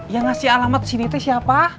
yang ngasih alamat si nite siapa